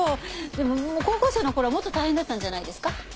でも高校生の頃はもっと大変だったんじゃないですか？